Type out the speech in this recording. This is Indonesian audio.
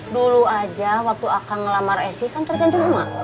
dulu aja waktu akang ngelamar esy kan tergantung emak